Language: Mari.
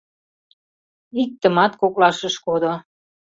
— Иктымат коклаш ыш кодо.